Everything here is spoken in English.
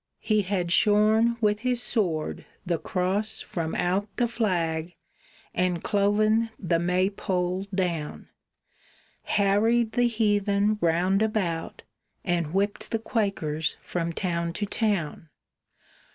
He had shorn with his sword the cross from out The flag, and cloven the May pole down, Harried the heathen round about, And whipped the Quakers from town to town.